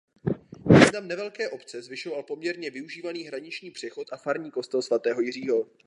Význam nevelké obce zvyšoval poměrně využívaný hraniční přechod a farní kostel svatého Jiřího.